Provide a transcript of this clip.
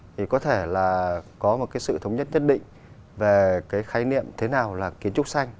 thì có thể là có một cái sự thống nhất nhất định về cái khái niệm thế nào là kiến trúc xanh